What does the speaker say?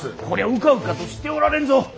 これはうかうかとしておられんぞ。